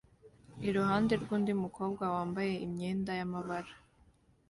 iruhande rw'undi mukobwa yambaye imyenda y'amabara